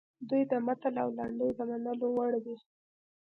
دوی ته متل او لنډۍ د منلو وړ دي